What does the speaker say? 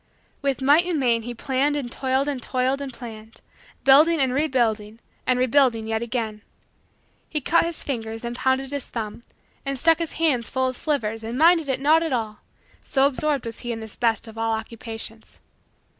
With might and main he planned and toiled and toiled and planned; building and rebuilding and rebuilding yet again. He cut his fingers and pounded his thumb and stuck his hands full of slivers and minded it not at all so absorbed was he in this best of all Occupations.